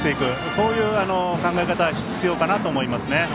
そういう考え方が必要かなと思いますね。